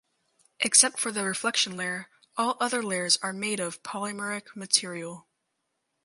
Except for the reflection layer all other layers are made of polymeric material.